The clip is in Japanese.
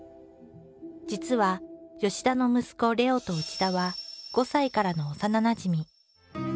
実は田の息子玲雄と内田は５歳からの幼なじみ。